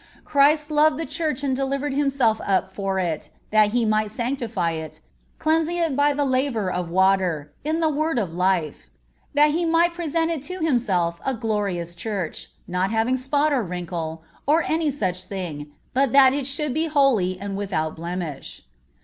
"Christ loved the Church and delivered Himself up for it, that He might sanctify it, cleansing it by the laver of water, in the word of life; that He might present it to Himself a glorious Church, not having spot or wrinkle, or any such thing, but that it should be holy and without blemish."